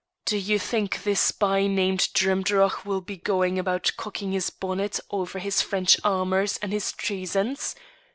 Do you think this by named Drimdarroch will be going about cocking his bonnet over his French amours and his treasons?